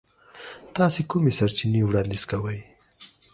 تاسو کومې سرچینې وړاندیز کوئ؟